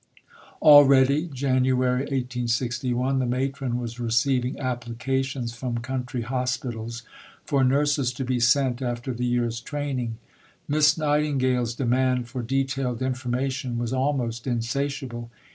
Already (Jan. 1861), the Matron was receiving applications from country hospitals for nurses to be sent after the year's training. Miss Nightingale's demand for detailed information was almost insatiable.